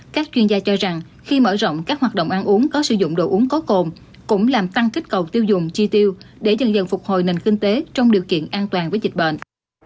các chuyên gia cho rằng khi mở rộng các hoạt động ăn uống có sử dụng đồ uống có cồn cũng làm tăng kích cầu tiêu dùng chi tiêu để dần dần phục hồi nền kinh tế trong điều kiện an toàn với dịch bệnh